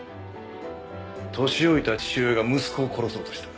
年老いた父親が息子を殺そうとした。